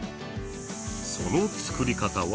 その作り方は？